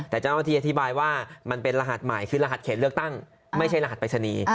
แต่เจ้าหน้าที่อธิบายว่ามันเป็นรหัสใหม่คือรหัสเขตเลือกตั้งไม่ใช่รหัสปริศนีย์